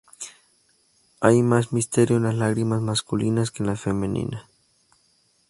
Hay más misterio en las lágrimas masculinas que en las femeninas.